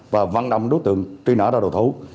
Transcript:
và văn đồng đối tượng truy nã ra đồ thú